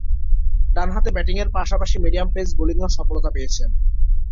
ডানহাতে ব্যাটিংয়ের পাশাপাশি মিডিয়াম-পেস বোলিংয়েও সফলতা পেয়েছেন।